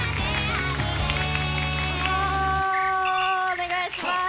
お願いします！